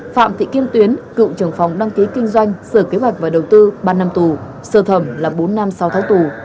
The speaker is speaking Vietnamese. phạm thị kim tuyến cựu trưởng phòng đăng ký kinh doanh sở kế hoạch và đầu tư ba năm tù sơ thẩm là bốn năm sau tháng tù